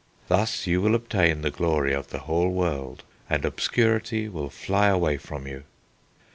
Thus you will obtain the glory of the whole world, and obscurity will fly away from you."